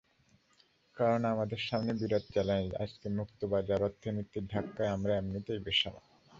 কারণ আমাদের সামনে বিরাট চ্যালেঞ্জ, আজকে মুক্তবাজার অর্থনীতির ধাক্কায় আমরা এমনিতেই বেসামাল।